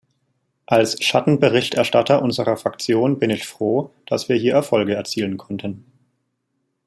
Als Schattenberichterstatter unserer Fraktion bin ich froh, dass wir hier Erfolge erzielen konnten.